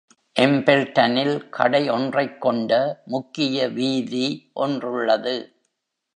எம்பெல்ட்டனில் கடை ஒன்றைக் கொண்ட முக்கிய வீதி ஒன்றுள்ளது.